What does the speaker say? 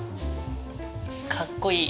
かっこいい。